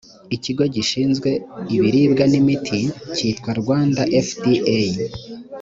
ikigo gishinzwe ibiribwa n imiti cyitwa rwanda fda